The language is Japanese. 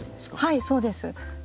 はいそうです。